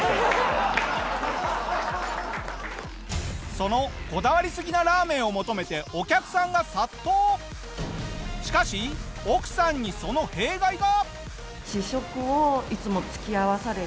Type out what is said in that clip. そのこだわりすぎなラーメンを求めてしかし奥さんにその弊害が！